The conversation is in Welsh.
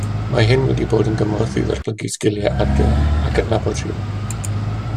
Mae hyn wedi bod yn gymorth i ddatblygu sgiliau adio ac adnabod rhifau.